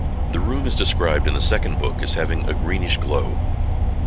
The room is described in the second book as having a greenish glow.